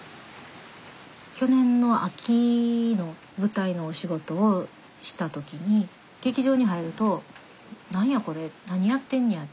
去年の秋の舞台のお仕事をした時に劇場に入ると「何やこれ？何やってんねや？」